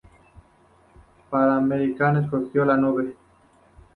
Panamericana escogió la nube.